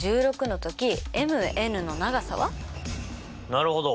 なるほど。